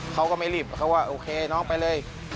เขาก็ไม่รีบเขาว่าโอเคน้องไปเลย